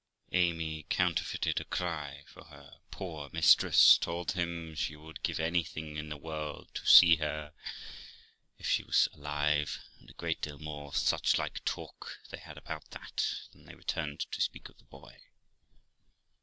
Amy counterfeited a cry for her poor mistress; told him she would give anything in the world to see her, if she was alive ; and a great deal more such like talk they had about that; then they returned to speak of the boy.